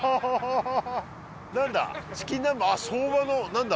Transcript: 何だ？